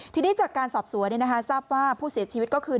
ทีนี้จากการสอบสวนทราบว่าผู้เสียชีวิตก็คือ